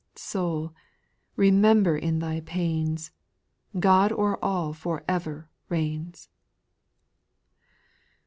Soul, remember in thy pains, God o'er all for ever reigns